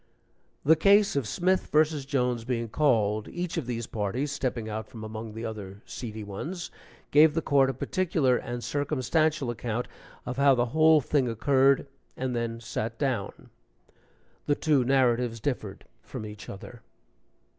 The case of Smith vs. Jones being called, each of these parties (stepping out from among the other seedy ones) gave the court a particular and circumstantial account of how the whole thing occurred, and then sat down. The two narratives differed from each other.